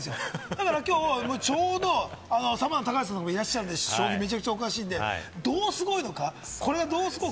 だからきょう、ちょうどサバンナ・高橋さんもいらっしゃいますし、めちゃくちゃ将棋詳しいんで、どうすごいのか。